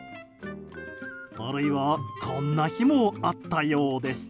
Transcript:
あるいは、こんな日もあったようです。